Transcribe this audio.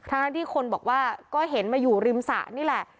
ทั้งที่คนบอกว่าก็เห็นมาอยู่ริมสระนี่แหละ